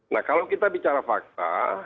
nah kalau kita bicara fakta